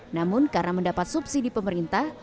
namun karena mendapat subsidi pemerintah